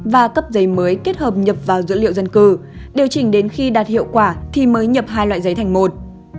và cấp giấy mới kết hợp nhập vào dữ liệu dân cư điều chỉnh đến khi đạt hiệu quả thì mới nhập hai loại giấy thành môn